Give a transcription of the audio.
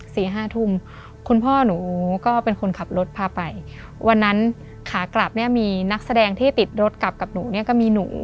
สี่ห้าทุ่มคุณพ่อหนูก็เป็นคนขับรถพาไปวันนั้นขากลับเนี่ยมีนักแสดงที่ติดรถกลับกับหนูเนี่ยก็มีหนู